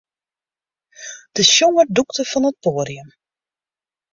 De sjonger dûkte fan it poadium.